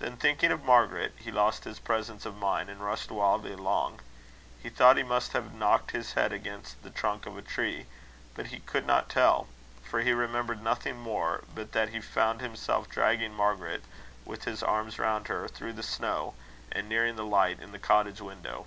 Then, thinking of Margaret, he lost his presence of mind, and rushed wildly along. He thought he must have knocked his head against the trunk of a tree, but he could not tell; for he remembered nothing more but that he found himself dragging Margaret, with his arms round her, through the snow, and nearing the light in the cottage window.